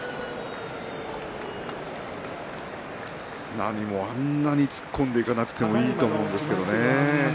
なにもあんなに突っ込んでいかなくてもいいと思うんですけれどもね。